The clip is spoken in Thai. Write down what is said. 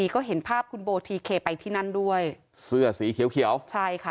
ก็เห็นภาพคุณโบทีเคไปที่นั่นด้วยเสื้อสีเขียวเขียวใช่ค่ะ